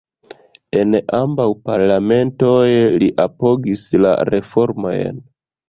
En ambaŭ parlamentoj li apogis la reformojn.